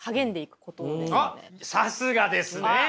さすがですね。